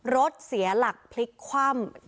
รถเสียหลักพลิกคว่ำ